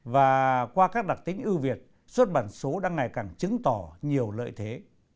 và qua các đặc tính ưu việt xuất bản số đang ngày càng chứng tỏ nhiều lợi thế